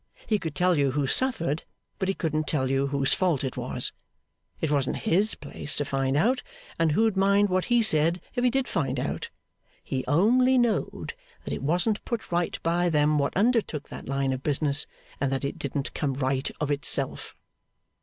He could tell you who suffered, but he couldn't tell you whose fault it was. It wasn't his place to find out, and who'd mind what he said, if he did find out? He only know'd that it wasn't put right by them what undertook that line of business, and that it didn't come right of itself.